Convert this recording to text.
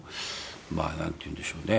まあなんていうんでしょうね？